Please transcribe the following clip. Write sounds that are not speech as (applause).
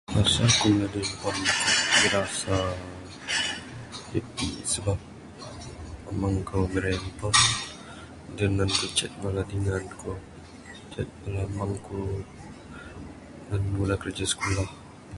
Masa ku (unintelligible) (noise) ku rasa happy sebab amang ku mirih handphone adeh nan ku chat bala dingan ku bala amang ku ngan ngunah kerja skulah.